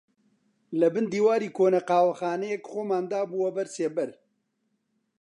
لەبن دیواری کۆنە قاوەخانەیەک خۆمان دابووە بەر سێبەر